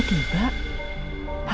pas banget hari ini